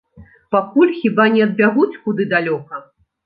Пакуль хіба не адбягуць куды далёка.